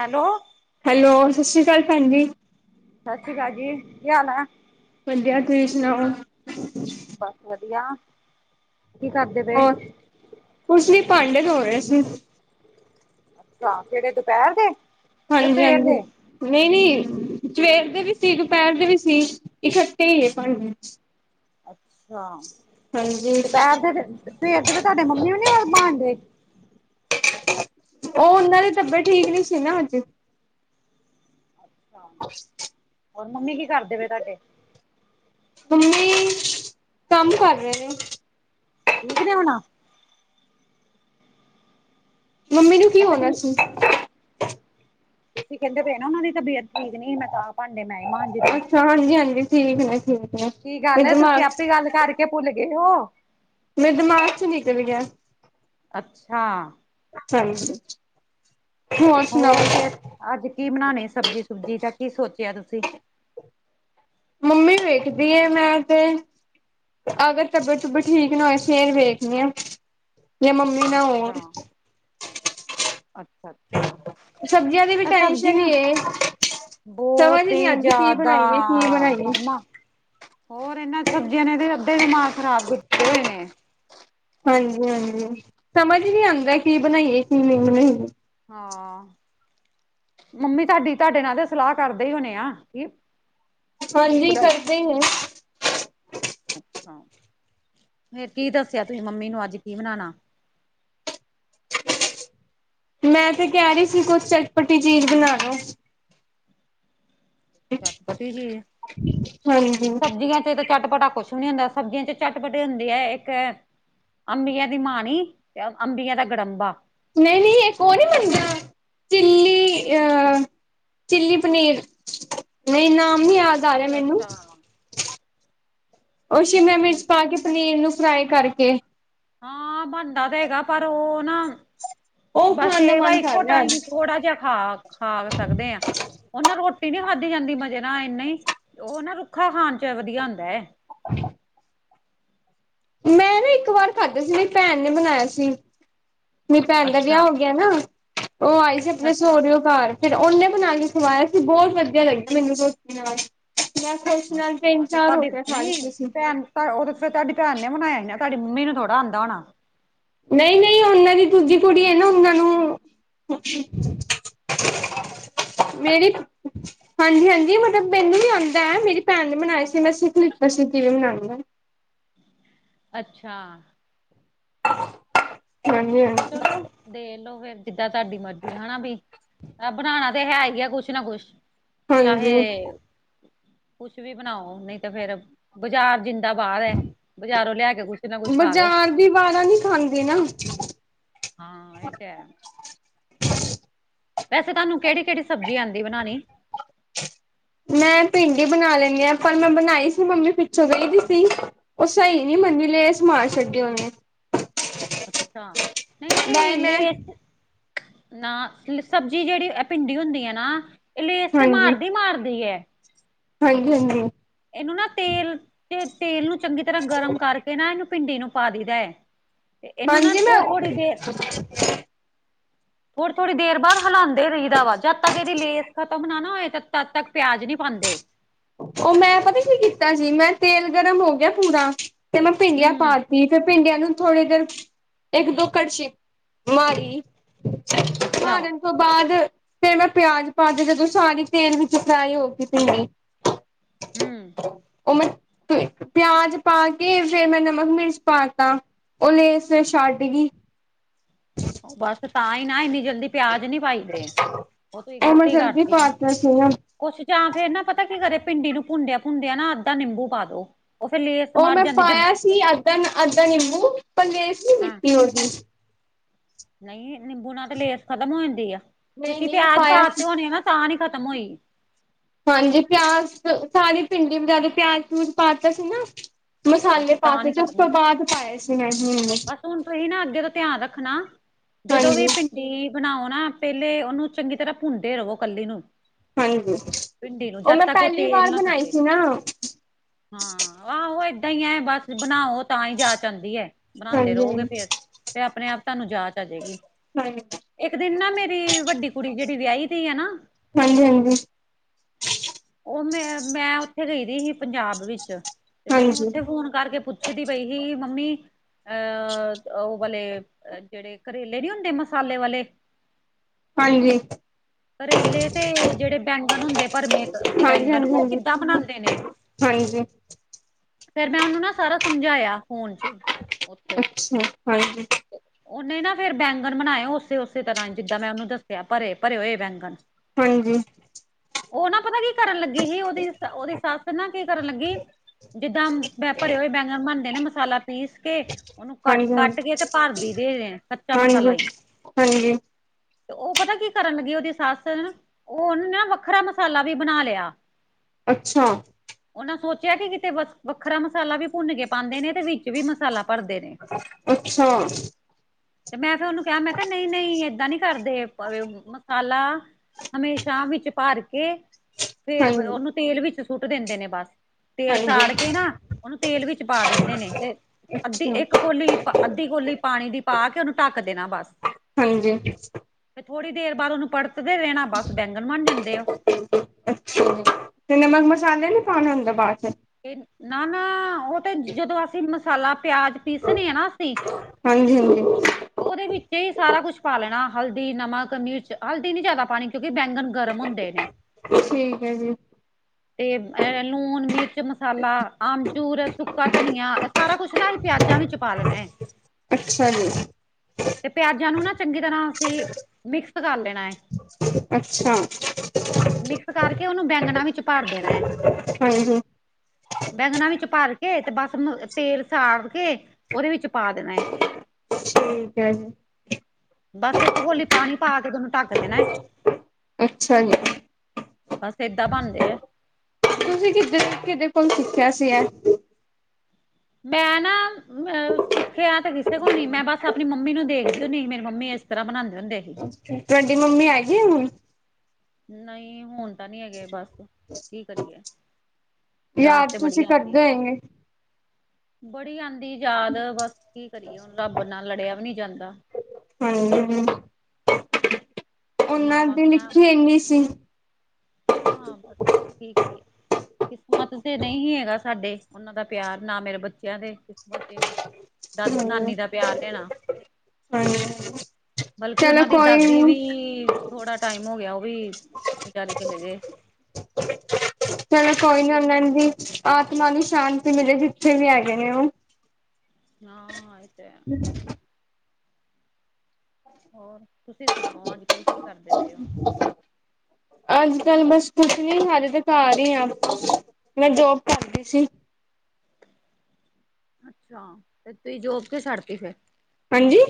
Hello hello ਸਤਿ ਸ਼੍ਰੀ ਅਕਾਲ ਭੈਣ ਜੀ ਸਤਿ ਸ਼੍ਰੀ ਅਕਾਲ ਜੀ ਕੀ ਹਾਲ ਆ ਵਧੀਆ ਤੁਸੀਂ ਸੁਣਾਓ ਹ ਬਸ ਵਧੀਆ ਕੀ ਕਰਦੇ ਪਏ ਹੋਰ ਕੁਛ ਨੀ ਭਾਂਡੇ ਧੋ ਰਹੇ ਸੀ ਅੱਛਾ ਕੇੜੇ ਦੁਪੈਰ ਦੇ ਤੇ ਹਾਂਜੀ ਸਵੇਰ ਹਾਂਜੀ ਦੇ ਨਹੀਂ ਨਹੀਂ ਸਵੇਰ ਦੇ ਵੀ ਸੀ ਦੁਪੈਰ ਦੇ ਵੀ ਸੀ ਇਕੱਠੇ ਹੀ ਹੈ ਭਾਂਡ ਅੱਛਾ ਹਾਂਜੀ ਦੁਪੈਰ ਤੇ ਸਵੇਰ ਤੇ ਤੇ ਤੁਹਾਡੇ ਮੰਮੀ ਨੂੰ ਨੀ ਵ ਮਾਂਜਦੇ ਉਹ ਉਹਨਾਂ ਦੀ ਤਬੀਅਤ ਠੀਕ ਨੀ ਸੀ ਨਾ ਹਜੇ ਅ ਹੋਰ ਮੰਮੀ ਕੀ ਕਰਦੇ ਪ ਤੁਹਾਡੇ ਮੰਮੀ ਕੰਮ ਕਰ ਰਹੇ ਨੇ। ਠੀਕ ਨੇ ਹੋੁਣਾ। ਮੰਮੀ ਨੂੰ ਕੀ ਮੈਂ ਕਿਹਾ ਹੋਣਾ ਠੀਕ ਸੀ। ਤੁਸੀਂ ਕਹਿੰਦੇ ਪਏ ਨਾ ਉਹਨਾ ਦੀ ਤਬੀਅਤ ਠੀਕ ਨਹੀਂ ਸੀ ਮੈਂ ਤਾਂਹ ਭਾਂਡੇ ਮੈਂ ਮਾਂਜਰੀ। ਅੱਛਾ ਹਾਂਜੀ ਹਾਂਜੀ ਠੀਕ ਨੇ ਠੀਕ। ਨੇ ਕੀ ਗੱਲ ਮੇਰੇ ਹੈ ਤੁਸੀਂ ਦਿਮਾਗ ਆਪੇ ਗੱਲ ਕਰਕੇ ਭੁੱਲ ਗਏ ਹੋ। ਮੇਰੇ ਦਿਮਾਗ ਚੋਂ ਨਿਕਲ ਗਿਆ। ਅੱਛਾ। ਹਾਂ। ਹੋਰ ਫੇਰ ਅੱਜ ਕੀ ਬਣਾਣੇ ਸਬਜ਼ੀ ਸੁਬਜੀ ਤਾਂ ਕੀ ਸੋਚਿਆ ਤੁਸੀਂ। ਮੰਮੀ ਵੇਖਦੀ ਮੈਂ ਤੇ। ਅਗਰ ਟਬੀਅਤ ਟੁੱਬਤ ਠੀਕ ਨਾ ਹੋਏ ਫਿਰ ਵੇਖਣੀ ਆ ਜਾਂ ਮੰਮੀ ਨਾ ਹੋ। ਅੱਛਾ ਅੱਛਾ ਅੱਛਾ ਸਬਜ਼ੀਆਂ ਦੀ ਵੀ ਇਹ ਟੈਨਸ਼ਨ ਸਬਜ਼ੀਆਂ। ਹੀ ਏ ਸਮਝ ਬਹੁਤ ਨੀ ਹੀ ਆਂਦੀ ਕੀ ਜ਼ਿਆਦਾ ਬਣਾਈਏ ਕੀ ਬਣਾਈਏ ਜਮ। ਹੋਰ ਇਹਨਾਂ ਸਬਜ਼ੀਆਂ ਨੇ ਤੇ ਅੱਧੇ ਦਿਮਾਗ ਖ਼ਰਾਬਤੇ ਹੋਏ ਨੇ। ਹਾਂਜੀ ਹਾਂਜੀ ਸਮਝ ਨੀ ਆਉਂਦਾ ਕੀ ਬਣਾਈਏ ਕੀ ਨਹੀਂ ਬਣਾਈਏ। ਹਾਂ। ਮੰਮੀ ਤੁਹਾਡੀ ਤੁਹਾਡੇ ਨਾਲ ਤੇ ਸਲਾਹ ਕਰਦੇ ਹੀ ਹੋਣੇ ਆ ਕੀ। ਕੀ ਹਾਂਜੀ ਬਣਾਈ ਕਰਦੇ ਹ। ਅੱਛਾ ਫਰ ਕੀ ਦੱਸਿਆ ਤੁਸੀਂ ਮੰਮੀ ਨੂੰ ਅੱਜ ਕੀ ਬਣਾਣਾ। ਮੈਂ ਤੇ ਕਹਿ ਰਹੀ ਸੀ ਕੁਛ ਚਟਪਟੀ ਚੀਜ਼ ਬਣਾ ਲਓ। ਚੱਟਪੱਟੀ ਚੀਜ਼ ਹਾਂਜੀ ਸਬਜ਼ੀਆਂ। ੇ ਤੋਂ ਚੱਟਪਟਾ ਕੁਛ ਵੀ ਨੀ ਹੁੰਦਾ ਸਬਜ਼ੀਆਂ ਚ ਚੱਟਪਟੇ ਹੁੰਦੀ ਹੈ ਇੱਕ। ਅੰਬੀਆਂ ਦੀ ਮਾਣੀ ਤੇ ਅੰਬੀਆਂ ਦਾ ਗੜੰਬਾ। ਨਹੀਂ ਨਹੀਂ ਇੱਕ ਉਹ ਨੀ ਮੰਨਦਾ ਚ। ਚਲੀ ਚਲੀ ਪਨੀਰ। ਨਹੀਂ ਇ ਨਾਮ ਨੀ ਯਾਦ ਆ ਰਿਹਾ ਮੈਨੂੰ। ਅੱਛਾ-ਅੱਛਾ ਉਹ ਸ਼ਿਮਲਾ ਮਿਰਚ ਠੀਕ ਪਾ ਕੇ ਪਨੀਰ ਨੂੰ ਫਰਾਈ ਕਰਕੇ। ਹਾਂ ਬਣਦਾ ਤੇ ਹੈਗਾ ਪਰ ਉਹ ਨਾ ਉਹ ਬਸ ਖਾਣ ਦਾ ਇਹ ਵ ਮਨ ਕਰ ਇੱਕੋ ਰਿਹਾ ਅੱਜ ਟਾਈਮ। ਥੋੜ੍ਹਾ ਜਿਹਾ ਖਾ ਖਾ ਸਕਦੇ ਹਾਂ। ਉਹ ਨਾ ਰੋਟੀ ਨੀ ਖਾਧੀ ਜਾਂਦੀ ਮਜ਼ੇ ਨਾਲ ਇਨਾ ਹੀ ਉਹ ਨਾ ਰੁੱਖਾ ਖਾਣ ਚ ਵਧੀਆ ਹੁੰਦਾ ਹੈ। [inaudible] ਮੈਂ ਨਾ ਇੱਕ ਵਾਰ ਖਾਧੇ ਸੀ ਮੇਰੀ ਭੈਣ ਨੇ ਬਣਾਇਆ ਸੀ। ਮੇਰੀ ਭੈਣ ਦਾ ਵਿਆਹ ਅੱਛਾ, ਹੋ ਗਿਆ ਨਾ ਉਹ ਆਈ ਸੀ ਅੱਛਾ, ਆਪਣੇ ਸੋ ਅੱਛਾ, ਰਿਓ ਘਰ। ਫਿਰ ਉਹਨੇ ਬਣਾ ਕੇ ਖਵਾਇਆ ਸੀ ਬਹੁਤ ਵਧੀਆ ਲੱਗੀ ਮੈਨੂੰ ਸੋਚ ਨਾਲ। ਬੈਂਸ ਨਾਲ ਤਿੰਨ ਅੱਛਾ ਤੇ ਚਾਰ ਹੋ ਤੁਹਾਡੀ ਗਿਆ ਸਾਲ ਨਹੀਂ ਸੀ। ਭੈਣ ਤਾਂ ਉਹ ਫਿਰ ਤੁਹਾਡੀ ਭੈਣ ਨੇ ਬਣਾਇਆ ਸੀ ਤੁਹਾਡੀ ਮੰਮੀ ਨੂੰ ਥੋੜਾ ਆਉਂਦਾ ਹੋਣਾ। ਨਹੀਂ ਨਹੀਂ ਉਹਨਾਂ ਦੀ ਦੂਜੀ ਕੁੜੀ ਹੈ ਨਾ ਉਹਨਾਂ ਨੂੰ। ਮੇਰੀ। ਹਾਂਜੀ ਹਾਂਜੀ ਮਤਲਬ ਮੈਨੂੰ ਵੀ ਆਉਂਦਾ ਹੈ ਮੇਰੀ ਭੈਣ ਨੇ ਮਨਾਈ ਸੀ ਮੈਂਸੀਖਲਿਪ ਸਤੀ ਵੀ ਮਨਾਉਂ ਹ। ਅੱਛਾ। ਹਾਂਜੀ। ਚਲੋ। ਦੇ ਲੋੋ ਫੇਿਰ ਜਿੱਦਾਂ ਤੁਹਾਡੀ ਮਰਜੀੀ ਹੈਾ ਵੀ ਆ ਬਣਾਣਾ ਤੇ ਹੈ ਹੀ ਆ ਕੁਛ ਨਾ ਕੁਛ। ਹਾਂਜੀ ਹਾਂਜੀ ਚਾਹੇ ਕੁਛ ਵੀ ਬਣਾਓ ਨਹੀਂ ਤੇ ਫੇਰ ਬਾਜ਼ਾਰ ਜਿੰ। ਾਂ ਬਾਹਰ ਹੈ ਬਜ਼ਾਰੋਂ ਲਿਆ ਕੇ ਕੁੱਛ ਨਾ ਕੁਛ ਖਾ ਲੋ। ਬਾਜ਼ਾਰ ਦੀ ਵਾਲਾਂ ਨੀ ਖਾਂਦੇ ਨਾ। ਹਾਂ ਇਹ ਤਾਂ। ਵੈਸੇ ਤੁਹਾਨੂੰ ਕਿਹੜੀ ਕਿਹੜੀ ਸਬਜ਼ੀ ਆਉਂਦੀ ਬਣਾਣੀ। ਮੈਂ ਭਿੰਡੀ ਬਣਾ ਲੈਂਦੀ ਹ ਪਰ ਮੈਂ ਬਣਾਈ ਸੀ ਮੰਮੀ ਪਿੱਛੋਂ ਗਹੀਦੀ ਸੀ। ਉਹ ਸਹੀ ਨਹੀਂੀ ਬਨੀ ਲੈਸ ਮਾਨ ਛੱਡੇ ਉਹਨੇ। ਅੱਛਾ ਨਹੀਂ ਬਾਏ ਨਹੀਂ ਮੈਂ ਲੇਸ। ਨਾ ਸਬਜ਼ੀ ਜਿਹੜੀ ਭਿੰਡੀ ਹੁੰਦੀ ਹੈ ਨਾ। ਲੇਸ ਤੇ ਹਾਂਜੀ। ਮਾਰਦੀ ਮਾਰਦੀ। ਹਾਂਜੀ ਹਾਂਜੀ। ਇਹਨੂੰ ਨਾ ਤੇਲ ਤੇ ਤੇਲ ਨੂੰ ਚੰਗੀ ਤਰ੍ਹਾਂ ਗਰਮ ਕਰਕੇ ਨਾ ਇਹਨੂੰ ਭਿੰਡੀ ਨੂੰ ਪਾ ਦਦਾ ਹੈ। ਇਹਨਾਂ ਨਾ ਹਾਂਜੀ ਮੈਂ ਥੋੜੀ ਥੋੜੀ ਦੇਰ। ਥੋੜੀ ਥੋੜ੍ਹੀ ਦੇਰ ਬਾਅਦ ਹਲਾਉਂਦੇ ਰਹੀਦਾ ਵਾ ਜਦ ਤ ਕਿ ਇਹਦੀ ਲੇਸ। ਖਤਮ ਨਾ ਨਾ ਹੋਏ ਤੇ ਤਦ ਤੱਕ ਪਿਆਜ ਨਹੀਂੀ ਪਾਾਂਦੇ। ਉਹ ਮੈਂ ਪਤਾ ਕੀ ਕੀਤਾ ਜੀ ਮੈਂ ਤੇਲ ਗਰਮ ਹੋ ਗਿਆ ਪੂਰਾ ਤੇ ਮੈਂ ਭਿੰਡੀਆਂ ਪਾ ਹੂੰ ਦਿੱ। ਫਿਰ ਭਿੰਡੀਆਂ ਨੂੰ ਥੋੜੀ ਦੇਰ ਇੱਕ ਦੋ ਕੜਛੀ ਮਾਰੀ। ਅੱਛਾ। ਉਸ ਤੋਂ ਬਾਅਦ ਫੇਿਰ ਮੈਂ ਪਿਆਜ ਪਾ ਦ ਜਦੋਂ ਸਾਰੀ ਤੇਲ ਵਿੱਚ ਫਰਾਈ ਹੋ ਗਈ ਸੀੀਣੀ। ਹਮ। ਉਹ ਮੈਂ ਪਿਆਜ ਪਾ ਕੇ ਫੇਰ ਮੈਂ ਨਮਕ ਮਿਰਚ ਪਾ ਤਾ। ਉਹ ਲੈਸ ਛੱਡ ਗੇ। ਉਹ ਬਸ ਤਾਂ ਹੀ ਨਾ ਇੰਨੀ ਜਲਦੀ। ਪਿਆਜ ਨੀ ਪਾਈ ਦੇ ਉਹ ਤੂੰ ਮੈਂ ਗ਼ਲਤੀ ਜਲਦੀ ਕਰਤੀ ਨਾ। ਪਾਤਾ ਸੀਗਾ ਕੁਛ ਜਾਂ ਫੇਰ ਨਾ ਪਤਾ ਕੀ ਕਦੇ ਪਿੰਡੀ ਨੂੰ ਭੁੰਦਿਆ ਭੁੰਦਿਆਂ ਨਾ ਅੱਧਾ ਨਿੰਬੂ ਪਾ ਦੋ। ਉਹ ਫੇਰ ਲੇਸ ਉਹ ਮਰ ਮੈਂ ਜਾਂਦੀ ਜੇ ਪਾਇਆ ਸੀ ਅੱਧਨ ਅੱਧ ਨਿੰਬੂ ਪਰਲੇਸ ਨ ਹਾਂ ਮਿੱਟੀ ਹੋ ਗਈ। ਨਹੀਂ ਨਿੰਬੂ ਨਾਲ ਤਾਂ ਲੇਸ ਖ਼ਤਮ ਹੋ ਜਾਂਦੀ ਆ ਨਹੀਂ ਤੁਸੀਂ ਨਹੀਂ ਮੈਂ ਪਿਆਜ ਪਾਇਆ ਸੀ ਪਾਤੇ ਹੋਣੇ ਆ ਨਾ ਤਾਂ ਨੀ ਖ਼ਤਮ ਹੋਈ। ਹਾਂਜੀ ਪਿਆਸ ਸਾਰੀ ਭਿੰਡੀ ਵੀ ਜ਼ਿਆਦਾ ਪਿਆਜ ਪਊਜ ਪਾਤਾ ਸੀ ਨਾ। ਉਹ ਮਸਾਲੇ ਫਿਰ ਤਾਂ ਪਾਤੇ ਨੀ ਸੀ ਉਸ ਖਤਮ ਤੋਂ ਹੋਈ ਬਾਅਦ ਪਾਏ ਸੀ ਮੈਂ ਹੁਣ। ਬਸ ਹੁਣ ਤੁਸੀਂ ਨਾ ਅੱਗੇ ਤੋਂ ਧਿਆਨ ਰੱਖਣਾ ਜਦੋਂ ਵੀ ਹਾਂਜੀ ਪਿੰ। ਡ ਬਣਾਓ ਨਾ ਪਹਿਲੇ ਉਹਨੂੰ ਚੰਗੀ ਤਰ੍ਹਾਂ ਭੁੰਨਦੇ ਰਵੋ ਕੱਲੀ ਨੂੰ। ਹਾਂਜੀ ਭਿੰਡੀ ਨੂੰ ਜਦ ਮੈਂ ਤੱਕ ਉਹ ਪਹਿਲੀ ਤੇਲ ਵਾਰ ਬਣਾਈ ਨਾ ੱਟੇ। ਸੀ ਨਾ ਹਾਂ ਆਹੋ ਏਦਾਂ ਹੀ ਐ ਬਸ ਬਣਾਵੋ ਤਾਂ ਹੀ ਜਾ ਚ ਆਦੀ ਹੈ ਬਣਾਉਦੇ ਹਾਂਜੀ ਹਾਂਜੀ ਰਹੋਗੇ ਫੇਰ। ਤੇ ਆਪਣੇ ਆਪ ਤੁਹਾਨੂੰ ਜਾਚ ਆ ਜਾੇਗੀ। ਹਾਂ। ਇੱਕ ਦਿਨ ਨਾ ਮੇਰੀ ਵੱਡੀ ਕੁੜੀ ਜਿਹੜੀ ਵਿਆਹੀ ਸੀ ਹੈ ਨਾ। ਹਾਂਜੀ ਹਾਂਜੀ। ਉਹ ਮੈਂ ਮੈਂ ਉੱਥੇ ਗਈ ਰ ਸੀ ਪੰਜਾਬ ਵਿੱਚ। ਤੇ ਮੈਨੂੰ ਹਾਂਜੀ ਉੱਥੇ ਫੋਨ ਕਰਕੇ ਪੁੱਛਦੀ ਪਈ ਸੀ ਮੰਮੀ। ਅਹ ਉਹ ਵਾਲੇ ਜਿਹੜੇ ਕਰੇਲੇ ਨੀ ਹੁੰਦੇ ਮਸਾਲੇ ਵਾਲੇ। ਹਾਂਜੀ। ਕਰੇਲੇ ਤੇ ਜਿਹੜੇ ਬੈਂਗਣ ਹੁੰਦੇ ਭਰਮੇ ਹਾਂਜੀ ਬੈਂਗਣ ਹਾਂਜੀ ਉਹ ਹਾਂਜੀ ਕਿੱਦਾਂ ਬਨਾਉਂਦੇ ਨੇ। ਹਾਂਜੀ। ਫੇਿਰ ਮੈਂ ਉਹਨੂੰ ਨਾ ਸਾਰਾ ਸਮਝਾਇਆ ਫੋਨ ਚ। ਉੱਥੇ ਅੱਛਾ ਹਾਂਜੀ। ਉਹਨੇ ਨਾ ਫੇਿਰ ਬੈਂਗਣ ਬਣਾਏ ਉਸੇ ਉਸੇ ਤਰ੍ਹਾਂ ਜਿੱਦਾਂ ਮੈਂ ਉਹਨੂੰ ਦੱਸਿਆ ਭਰੇ ਭਰੇ ਹੋਏ ਬੈਂਗਣ। ਹਾਂਜੀ ਉਹ ਨਾ ਪਤਾ ਕੀ ਕਰਨ ਲੱਗੀ ਸੀ ਉਹਦੀ, ਉਹਦੀ ਸੱਸ ਨਾ ਕੀ ਕਰਨ ਲੱਗੀ ਜਿੱਦਾਂ ਭਰੇ ਹੋਏ ਬੈਂਗਣ ਬਣਦੇ ਨੇ ਮਸਾਲਾ ਪੀਸ ਕੇ ਉਹਨੂੰ ਹਾਂਜੀ ਕੱਟ-ਕੱਟ ਕੇ ਤੇ ਭਾਰਦੀ ਦੇ, ਦੇ ਕੱਚਾ ਮਸਾਲਾ ਹੀ। ਹਾਂਜੀ ਹਾਂਜੀ ਤੇ ਉਹ ਪਤਾ ਕੀ ਕਰਨ ਲੱਗੀ ਉਹਦੀ ਸੱਸ ਉਹ ਉਹਨੇ ਨਾ ਵੱਖਰਾ ਮਸਾਲਾ ਵੀ ਬਣਾ ਲਿਆ। ਅੱਛਾ ਉਹਨਾਂ ਸੋਚਿਆ ਕਿ ਕਿਤੇ ਵੱਖਰਾ ਮਸਾਲਾ ਵੀ ਭੁੰਨ ਕੇ ਪਾਉਂਦੇ ਨੇ ਤੇ ਵਿੱਚ ਵੀ ਮਸਾਲਾ ਭਰਦੇ ਨੇ। ਅੱਛਾ ਤੇ ਮੈਂ ਫਿਰ ਉਹਨੂੰ ਕਿਹਾ ਮੈਂ ਕਿਹਾ ਨਈਂ-ਨਈਂ ਏਦਾਂ ਨੀ ਕਰਦੇ ਮਸਾਲਾ ਹਮੇਸ਼ਾ ਵਿੱਚ ਭਰ ਕੇ ਫੇਰ ਹਾਂਜੀ ਉਹਨੂੰ ਤੇਲ ਵਿੱਚ ਸੁੱਟ ਦਿੰਦੇ ਨੇ ਬਸ। ਤੇਲ ਹਾਂਜੀ ਸਾੜ ਕੇ ਨਾ ਉਹਨੂੰ ਤੇਲ ਵਿੱਚ ਪਾ ਦਿੰਦੇ ਨੇ ਤੇ ਅੱਧੀ ਅੱਛਾ ਇੱਕ ਕੋਲੀ ਅੱਧੀ ਕੋਲੀ ਪਾਣੀ ਦੀ ਪਾ ਕੇ ਉਹਨੂੰ ਢੱਕ ਦੇਣਾ ਬਸ। ਹਾਂਜੀ ਤੇ ਥੋੜ੍ਹੀ ਦੇਰ ਬਾਦ ਉਹਨੂੰ ਪੜਤਦੇ ਰਹਿਣਾ ਬਸ ਬੈਂਗਨ ਬਣ ਜਾਂਦੇ ਆ ਉਹ। ਅੱਛਾ ਤੇ ਨਮਕ ਮਸਾਲੇ ਨੀ ਪਾਣੇ ਹੁੰਦੇ ਬਾਦ ਚ। ਨਾ-ਨਾ ਉਹ ਤੇ ਜਦੋਂ ਅਸੀਂ ਮਸਾਲਾ ਪਿਆਜ ਪੀਸਣੀ ਆ ਨਾ ਅਸੀ ਹਾਂਜੀ ਹਾਂਜੀ ਉਹਦੇ ਵਿੱਚ ਹੀ ਸਾਰਾ ਕੁਛ ਪਾ ਲੈਣਾ ਹਲਦੀ, ਨਮਕ, ਮਿਰਚ ਹਲਦੀ ਨੀ ਜਾਦਾ ਪਾਣੀ ਕਿਉਂਕਿ ਬੈਂਗਨ ਗਰਮ ਹੁੰਦੇ ਨੇ ਠੀਕ ਹੈ ਜੀ ਤੇ ਅ ਲੂਣ, ਮਿਰ ਚ ਮਸਾਲਾ, ਆਮਚੂਰ, ਸੁੱਕਾ-ਧਨੀਆ ਐ ਸਾਰਾ ਕੁਛ ਨਾ ਏਹੀ ਪਿਆਜਾਂ ਵਿੱਚ ਪਾ ਲੈਣੈ। ਅੱਛਾ ਜੀ। ਤੇ ਪਿਆਜਾਂ ਨੂੰ ਨਾ ਚੰਗੀ ਤਰ੍ਹਾਂ ਅਸੀਂ ਮਿਕਸ ਕਰ ਲੈਣਾ। ਅੱਛਾ ਮਿਕਸ ਕਰਕੇ ਓਨੂੰ ਬੈਂਗਣਾ ਵਿੱਚ ਭਰ ਦੇਣੈ। [inaudible] ਬੈਂਗਣਾ ਵਿੱਚ ਭਰ ਕੇ ਤੇ ਬਸ ਨ ਤੇਲ ਸਾੜ ਕੇ ਓਦੇ ਵਿੱਚ ਪਾ ਦੇਣਾ। ਠੀਕ ਹੈ ਜੀ। ਬਸ ਇੱਕ ਕੋਲੀ ਪਾਣੀ ਪਾ ਕੇ ਤੇ ਓਨੂੰ ਢੱਕ ਦੇਣਾ। ਅੱਛਾ ਜੀ। ਬਸ ਏਦਾਂ ਬਣਦੇ ਐ। ਤੁਸੀਂ ਕਿਦਅ ਕਿਦੇ ਕੋਲ ਸ਼ਿੱਖਿਆ ਸੀ ਐ। ਮੈਂ ਨਾ ਮ ਸਿੱਖਿਆ ਤੇ ਕਿਸੇ ਕੋਲ ਨੀ, ਮੈਂ ਬਸ ਅਪਣੀ ਮੰਮੀ ਨੂੰ ਦੇਖਦੀ ਹੁੰਦੀ ਸੀ ਮੇਰੀ ਮੰਮੀ ਏਸ ਤਰ੍ਹਾਂ ਬਣਾਦੇ ਹੋੰਦੇ। ਤੁਹਾਡੀ ਮੰਮੀ ਹੈਗੀ ਏ ਹੁਣ? ਨਹੀਂ ਹੁਣ ਤਾ ਨੀ ਹੈਗੇ ਬਸ ਕੀ ਕਰੀਏ, ਯਾਦ ਤੇ ਬੜੀ ਤੁਸੀਂ ਆੰਦੀ ਐ। ਕਰਦੇ ਹੋਏਗੇ ਬੜੀ ਆੰਦੀ ਏ ਯਾਦ ਬਸ ਕੀ ਕਰੀਏ ਹੁਣ ਰੱਬ ਨਾਲ ਲੜਿਆ ਵੀ ਨੀ ਜਾਂਦਾ। ਹਾਂਜੀ ਹੂੰ ਓਨਾਂ ਮਾਵਾਂ ਦੀ ਬਿਨਾਂ ਲਿੱਖੀ ਏਨੀ ਸੀ। ਹਾਂ, ਬਸ ਕੀ ਕਰੀਏ? ਕਿਸਮਤ ਸੀ ਨਹੀਂ ਹੀ ਹੈਗਾ ਸਾਡੇ ਉਨਾਂ ਦਾ ਪਿਆਰ ਨਾ ਮੇਰੇ ਬੱਚਿਆਂ ਦੇ ਕਿਸਮਤ ਤੇ ਹੀ। ਦਾ ਨਾਨੀ ਦਾ ਪਿਆਰ ਲੇਣਾ। ਹਉਂ ਬਲਕਿ ਚਲੋ ਉਹਨਾਂ ਦੀ ਕੋਈ ਦਾਦੀ ਨੀ। ਵੀ ਥੋੜਾ ਟਾਈਮ ਹੋ ਗਿਆ ਓਹ ਵੀ ਵਿਚਾਰੇ ਚਲੇ ਗਏ। ਚਲੋ ਕੋਈ ਨਾ ਉੰਦਾ ਦੀ ਆਤਮਾ ਨੂੰ ਸ਼ਾਂਤੀ ਮਿਲੇ ਜਿੱਥੇ ਵੀ ਹੈਗੇ ਨੇ ਓਹ। ਹਾਂ, ਏ ਤੇ ਹੈ। [inaudible] ਹੋਰ, ਤੁਸੀਂ ਸੁਣਾਓ ਅੱਜ-ਕੱਲ੍ਹ ਕੀ ਕਰਦੇ ਪਏ ਔ? ਅੱਜ-ਕੱਲ ਬਸ ਕੁਛ ਨੀ ਹਾਲੇ ਤੇ ਘਰ ਈ ਆ, ਮੈਂ ਜੋਬ ਕਾਰਦੀ ਸੀ। ਅੱਛਾ, ਤੇ ਤੁਹੀਂ ਜੋਬ ਕਿਓਂ ਛੱਡਤੀ ਫੇਰ? ਹਾਂਜੀ,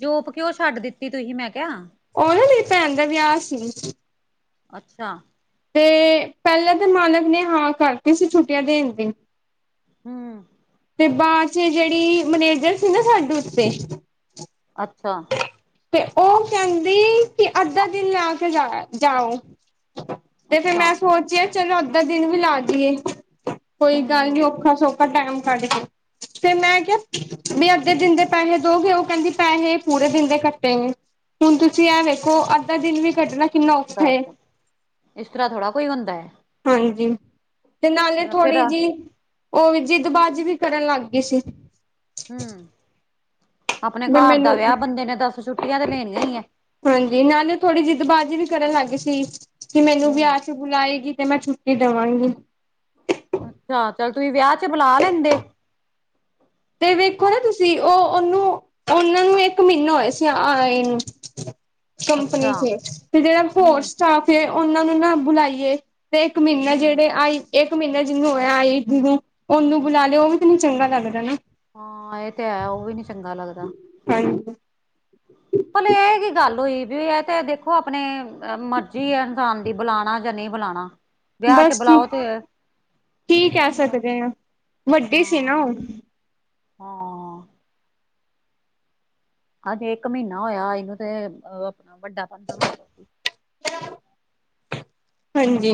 ਜੋਪ ਕਿਉ ਛੱਡ ਦਿੱਤੀ ਤੁਹੀਂ ਮੈਂ ਕਿਆ। ਉਹ ਨਾਂ ਮੇਰੀ ਭੈਣ ਦਾ ਵਿਆ ਸੀ। ਅੱਛਾ। ਤੇ ਪੈਲੇ ਤੇ ਮਾਲਕ ਨੇ ਹਾਂ ਕਰਤੀ ਸੀ ਛੁੱਟੀਆਂ ਦੇਣ ਦੀ। ਹੂੰ। ਤੇ ਬਾਦ ਚ ਜੇੜੀ ਮਨੇਜਰ ਸੀ ਨਾ ਸਾਡੇ ਉਤੇ ਅੱਛਾ। ਤੇ ਓਹ ਕੈੰਦੀ ਕਿ ਅੱਧਾ ਦਿਨ ਲਾ ਕੇ ਜਾਇਆ ਜਾਓ। ਤੇ ਫੇਰ ਅੱਛਾ, ਮੈਂ ਸੋਚਿਆ ਚਲੋ ਅੱਜ ਦਾ ਦਿਨ ਵੀ ਲਾ ਜੀ ਏ। ਕੋਈ ਗੱਲ ਨੀ ਹੂੰ-ਹੂੰ। ਔਖਾ-ਸੋਖਾ ਟੈਮ ਕੱਢ ਕੇ। ਤੇ ਮੈਂ ਕਿਆ ਵੀ ਅੱਧੇ ਦਿਨ ਦੇ ਪੈਹੇ ਦੋਗੇ, ਓਹ ਕੈੰਦੀ ਪੈਹੇ ਪੂਰੇ ਦਿਨ ਦੇ ਕੱਟੇ ਗੇ, ਹੁਣ ਤੁਸੀਂ ਐ ਵੇਖੋ ਅੱਧਾ ਦਿਨ ਵੀ ਕੱਢਣਾ ਕਿੰਨਾ ਔਖਾ ਏ ਦੱਸ, ਇਸ ਤਰ੍ਹਾਂ ਥੋੜ੍ਹਾ ਕੋਈ ਹੁੰਦਾ ਐ। ਹਾਂਜੀ, ਤੇ ਨਾਲੇ ਫਿਰ ਥੋੜੀ ਜਿ ਓਵੀ ਜਿਦਬਾਜੀ ਵੀ ਕਰਨ ਲੱਗ ਗੇ ਸੀ। ਹੂੰ, ਆਪਣੇ ਵੀ ਘਰ ਦਾ ਮੈਨੂੰ ਵਿਆ ਬੰਦੇ ਨੇ ਦਸ ਛੁੱਟੀਆਂ ਤੇ ਲੇਣੀਆਂ ਹੀ ਐ। ਹਾਂਜੀ ਨਾਲੇ ਥੋੜ੍ਹੀ ਜਿੱਦਬਾਜ਼ੀ ਵੀ ਕਰਨ ਲੱਗ ਸੀ ਕਿ ਮੈਨੂੰ ਵੀ ਹੂੰ। ਵਿਆ ਚ ਬੂਲਾਏਗੀ ਤੇ ਮੈਂ ਛੁੱਟੀ ਦਵਾਂਗੀ। ਅੱਛਾ, ਚੱਲ ਤੁਹੀਂ ਵਿਆ ਚ ਬੁਲਾ ਲੈਂਦੇ। ਤੇ ਵੇਖੋ ਨਾ ਤੁਸੀਂ ਉਹ ਉਹਨੂੰ ਉਹਨਾਂ ਨੂੰ ਇੱਕ ਮਹੀਨੇ ਹੋਏ ਸੀ ਆਏ ਨੂੰ ਕੰਪਨੀ ਅੱਛਾ, ਸੀ ਤੇ ਜਿਹੜਾ ਹੋਰ ਹੂੰ। ਸਟਾਫ ਐ ਉਹਨਾਂ ਨੂੰ ਨਾ ਬੁਲਾਈਏ ਤੇ ਇੱਕ ਮਹੀਨਾ ਹੂੰ-ਹੂੰ, ਜਿਹੜੇ ਆਈ ਇੱਕ ਮਹੀਨਾ ਜਿਹਨੂੰ ਹੋਇਆ ਆਈ ਨੂੰ ਓਨੂੰ ਬੁਲਾ ਲਿਓ ਉਹ ਵੀ ਤੈਨੂੰ ਚੰਗਾ ਲੱਗਦਾ ਐ ਨਾ ਹਾਂ ਇਹ ਤੇ ਐ ਉਹ ਵੀ ਨੀ, ਚੰਗਾ ਲੱਗਦਾ। ਹਾਂਜੀ ਭਲੇ ਇਹ ਕੀ ਗੱਲ ਹੋਈ ਵੀ ਇਹ ਤੇ ਦੇਖੋ ਆਪਣੇ ਮਰਜ਼ੀ ਐ ਇਨਸਾਨ ਦੀ ਬੁਲਾਣਾ ਜਾਂ ਨਹੀਂ ਬੁਲਾਉਣਾ। ਵਿਆਹ ਚ ਬਸ ਬੁਲਾਓ ਤੇ, ਕੀ ਕਹਿ ਹਾਂ ਸਕਦੇ ਆ ਵੱਡੀ ਸੀ ਨਾ ਉਹ ਹਾਂ, ਹਜੇ ਇੱਕ ਮਹੀਨਾ ਹੋਇਆ ਆਈ ਨੂੰ ਤੇ ਆਪਣਾ ਵੱਡਾ [unintelligible] [inaudible] ਹਾਂਜੀ,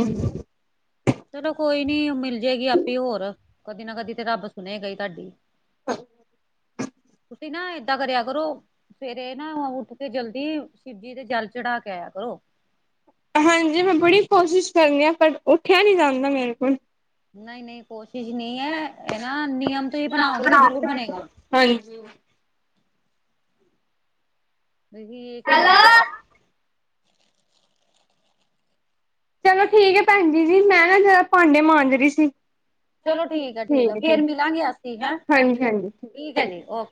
ਚਲੋ ਕੋਈ ਨੀ ਮਿਲ ਜੇ ਗੀ ਆਪੇ ਹੋਰ, ਕਦੀ ਨਾ ਕਦੀ ਤੇ ਰੱਬ ਸੁਣੇਗਾ ਈ ਤੁਹਾਡੀ। ਤੁਸੀਂ ਨਾ ਐਦਾ ਕਰਿਆ ਕਰੋ, ਸਵੇਰੇ ਨਾ ਉੱਠ ਕੇ ਜਲਦੀ ਸ਼ਿਵਜੀ ਦੇ ਜਲ ਚੜਾ ਕੇ ਆਇਆ ਕਰੋ। ਹਾਂਜੀ ਮੈਂ ਬੜੀ ਕੋਸ਼ਿਸ਼ ਕਰਨ ਦੀ ਆ ਪਰ ਉੱਠਿਆ ਨੀ ਜਾਂਦਾ ਮੇਰੇ ਕੋਲੋ ਨਹੀਂ-ਨਹੀਂ ਕੋਸ਼ਿਸ਼ ਨਹੀਂ ਐ ਇਹ ਨਾ ਨਿਯਮ ਤੁਸੀਂ ਬਣਾਓਗੇ ਤਾਂ ਜ਼ਰੂਰ ਬਣੇਗਾ। ਹਾਂਜੀ ਨਹੀਂ [unintelligible] ਚਲੋ ਠੀਕ ਹੈ ਭੈਣ ਜ ਜੀ ਮੈਂ ਨਾ ਜਰਾ ਭਾਂਡੇ ਮਾਂਜ ਰਈ ਸੀ ਚਲੋ ਠੀਕ ਹੈ ਠੀਕ ਹੈ ਫੇਰ ਮਿਲਾਂਗੇ ਅਸੀਂ ਹੈਂ ਠੀਕ ਠੀਕ ਹੈ [inaudible] ਜੀ ਓਕੇ